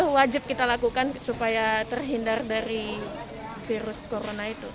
itu wajib kita lakukan supaya terhindar dari virus corona itu